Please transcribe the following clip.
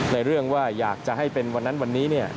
ในเรื่องว่าอยากจะให้เป็นวันนั้นวันนี้